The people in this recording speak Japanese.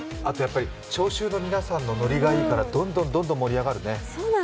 聴衆の皆さんのノリがいいからどんどん盛り上がるね。